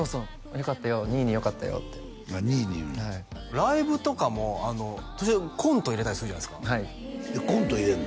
「よかったよにいによかったよ」ってあっにいに言うんやライブとかも途中コント入れたりするじゃないですかコント入れんの？